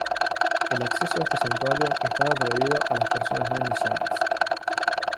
El acceso a este santuario estaba prohibido a las personas no iniciadas.